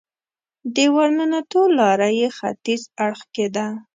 د ورننوتو لاره یې ختیځ اړخ کې ده.